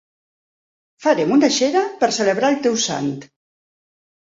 Farem una xera per celebrar el teu sant.